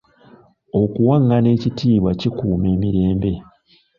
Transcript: Okuwangana ekitiibwa kikuuma emirembe.